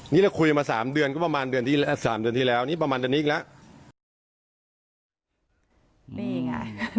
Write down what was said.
นี่เราคุยกันมา๓เดือนก็ประมาณเดือนที่แล้ว๓เดือนที่แล้วนี่ประมาณเดือนนี้อีกแล้วนี่ไง